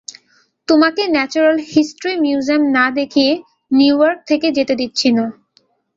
তোমাকে natural history museum না দেখিয়ে নিউইয়র্ক থেকে যেতে দিচ্ছি না!